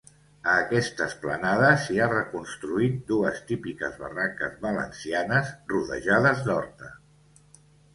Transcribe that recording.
A aquesta esplanada s'hi ha reconstruït dues típiques barraques valencianes, rodejades d'horta.